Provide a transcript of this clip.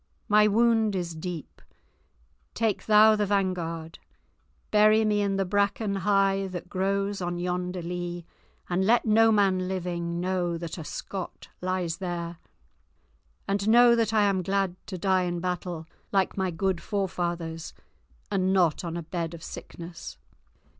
My wound is deep; take thou the vanguard; bury me in the bracken high that grows on yonder lea, and let no man living know that a Scot lies there. And know that I am glad to die in battle, like my good forefathers, and not on a bed of sickness."